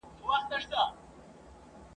یو ښکاري کرۍ ورځ ښکار نه وو مېندلی !.